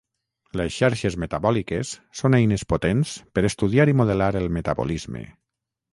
Les xarxes metabòliques són eines potents per estudiar i modelar el metabolisme.